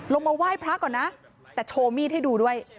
มาไหว้พระก่อนนะแต่โชว์มีดให้ดูด้วย